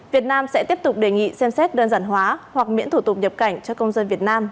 việt nam sẽ tiếp tục đề nghị xem xét đơn giản hóa hoặc miễn thủ tục nhập cảnh cho công dân việt nam